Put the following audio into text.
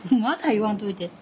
言わんといて。